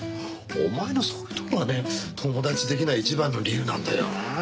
お前のそういうとこがね友達できない一番の理由なんだよな。